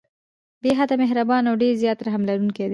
بې حده مهربان او ډير زيات رحم لرونکی دی